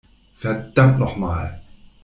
Verdammt noch mal!